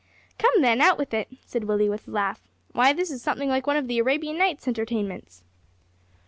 "Come, then, out with it," said Willie, with a laugh; "why, this is something like one of the Arabian Nights' Entertainments."